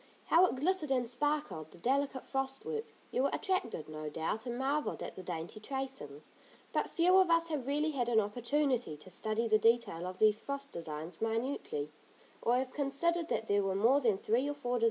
How it glittered and sparkled, the delicate frostwork. You were attracted no doubt and marvelled at the dainty tracings, but few of us have really had an opportunity to study the detail of these frost designs minutely, or have considered that there were more than three or four designs at most.